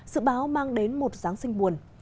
dự báo mang đến một giáng sinh buồn